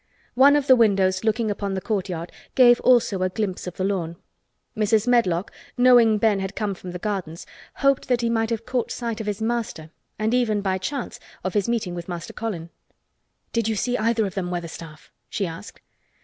One of the windows looking upon the courtyard gave also a glimpse of the lawn. Mrs. Medlock, knowing Ben had come from the gardens, hoped that he might have caught sight of his master and even by chance of his meeting with Master Colin. "Did you see either of them, Weatherstaff?" she asked.